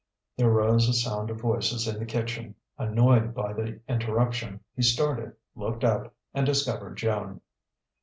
There rose a sound of voices in the kitchen. Annoyed by the interruption, he started, looked up, and discovered Joan.